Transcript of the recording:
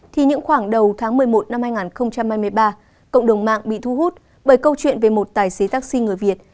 thì những khoảng đầu tháng một mươi một năm hai nghìn hai mươi ba cộng đồng mạng bị thu hút bởi câu chuyện về một tài xế taxi người việt